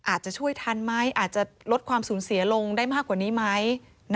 อาจจะช่วยทันไหมอาจจะลดความสูญเสียลงได้มากกว่านี้ไหม